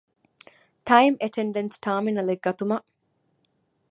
ޓައިމް އެޓެންޑެންސް ޓާރމިނަލެއް ގަތުމަށް